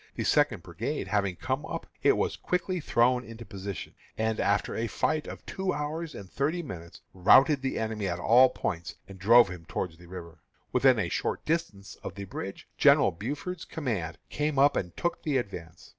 The Second brigade having come up, it was quickly thrown into position, and, after a fight of two hours and thirty minutes, routed the enemy at all points and drove him toward the river. When within a short distance of the bridge, General Buford's command came up and took the advance.